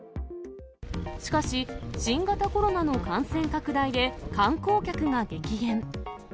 しかし、新型コロナの感染拡大で観光客が激減。